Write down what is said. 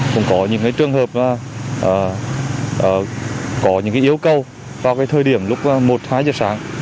cũng có những trường hợp có những yêu cầu vào thời điểm lúc một hai giờ sáng